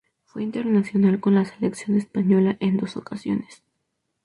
Fue internacional con la selección española en dos ocasiones.